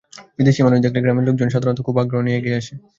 বিদেশি মানুষ দেখলেই গ্রামের লোকজন সাধারণত খুব আগ্রহ নিয়ে এগিয়ে আসে।